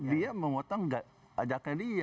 dia mengotong ajaknya dia